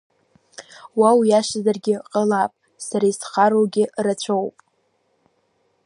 Уа уиашазаргьы ҟалап, сара исхароугьы рацәоуп.